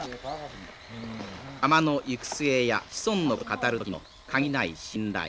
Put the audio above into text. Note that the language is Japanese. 山の行く末や子孫のことを語る時の限りない信頼。